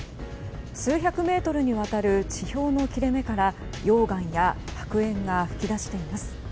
数百メートルにわたる地上の切れ目から溶岩や白煙が噴き出しています。